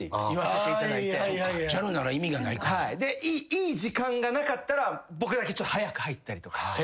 いい時間がなかったら僕だけ早く入ったりとかして。